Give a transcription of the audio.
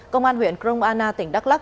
công an huyện cromana tỉnh đắk lắc